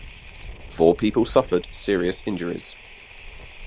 Four people suffered serious injuries.